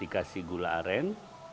kasih gula aren